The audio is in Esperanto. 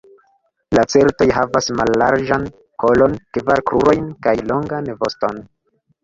Lacertoj havas mallarĝan kolon, kvar krurojn kaj longan voston.